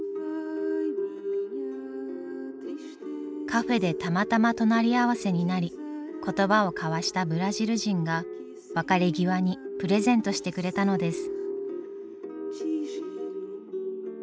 カフェでたまたま隣り合わせになり言葉を交わしたブラジル人が別れ際にプレゼントしてくれたのです。